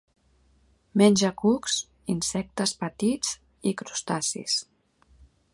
Menja cucs, insectes petits i crustacis.